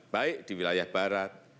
baik di wilayah barat